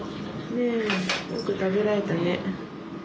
ねえよく食べられたね。